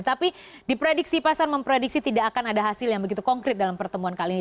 tapi diprediksi pasar memprediksi tidak akan ada hasil yang begitu konkret dalam pertemuan kali ini